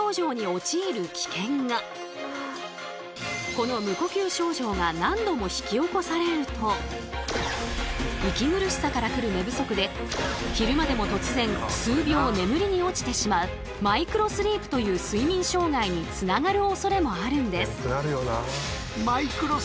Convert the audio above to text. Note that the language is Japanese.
この無呼吸症状が何度も引き起こされると息苦しさから来る寝不足で昼間でも突然数秒眠りに落ちてしまうマイクロスリープという睡眠障害につながるおそれもあるんです。